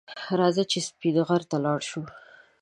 راځه چې سپین غر ته لاړ شو